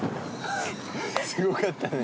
すごかったね。